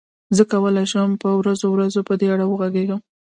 زه کولای شم په ورځو ورځو په دې اړه وغږېږم.